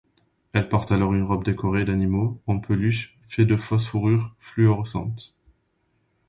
Elle porte alors une robe décorée d'animaux en peluche faits de fausse fourrure fluorescente.